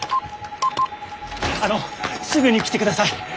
あのすぐに来てください！